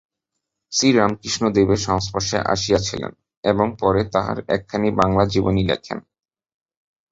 শ্রীরামকৃষ্ণদেবের সংস্পর্শে আসিয়াছিলেন, এবং পরে তাঁহার একখানি বাঙলা জীবনী লেখেন।